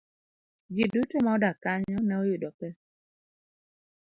Ji duto ma odak kanyo ne oyudo pek.